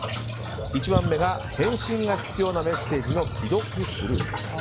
１番目が、返信が必要なメッセージの既読スルー。